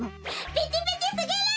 ピチピチすぎる！